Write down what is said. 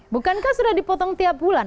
bukankah sudah dipotong tiap bulan